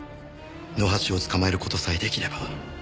野橋を捕まえる事さえ出来れば。